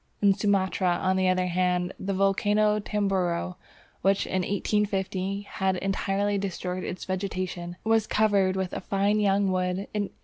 In Sumatra, on the other hand, the volcano of Tamboro, which in 1815 had entirely destroyed its vegetation, was covered with a fine young wood in 1874!